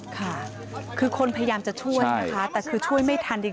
ค่ะคือคนพยายามจะช่วยนะคะแต่คือช่วยไม่ทันจริง